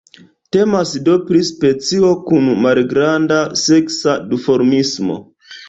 Temas do pri specio kun malgranda seksa duformismo.